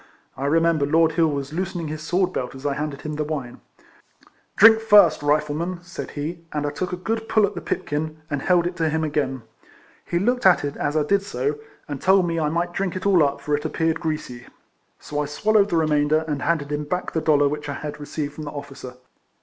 I remember Lord Hill was loosening his sword belt as I handed him the wine. RIFLEMAN HARRIS. 31 " Drink first, Rifleman," said he; and I took a good pull at the pipkin, and held it to him again. He looked at it as I did so, and told me I might drink it all up, for it appeared greasy; so I swallowed the remainder, and handed him back the dollar which I had received from the officer.